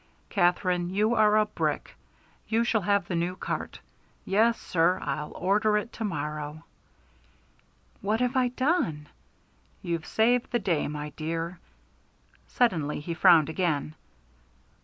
"Katherine, you are a brick. You shall have the new cart. Yes, sir. I'll order it to morrow." "What have I done?" "You've saved the day, my dear." Suddenly he frowned again.